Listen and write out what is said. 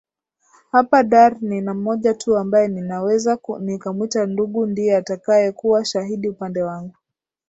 Hapa Dar nina mmoja tu ambaye nnaweza nikamwita ndugu ndiye atakayekuwa shahidi upande wangu